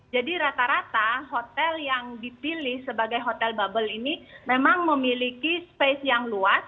rata rata hotel yang dipilih sebagai hotel bubble ini memang memiliki space yang luas